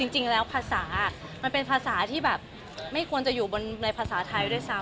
จริงแล้วภาษามันเป็นภาษาที่แบบไม่ควรจะอยู่บนในภาษาไทยด้วยซ้ำ